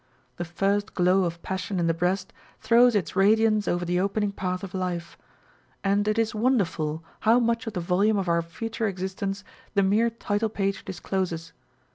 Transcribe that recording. The first glow of passion in the breast throws its radiance over the opening path of life ; and it is wonderful how much of the volume of our future existence the mere title page discloses.